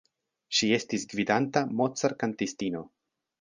Ŝi estis gvidanta Mozart‑kantistino.